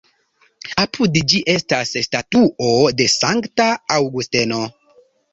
Apud ĝi estas statuo de Sankta Aŭgusteno.